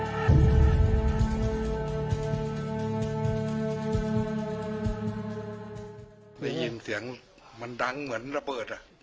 หนี่ยิ่งเสียงมันดังเหมือนละเบิดอ่ะ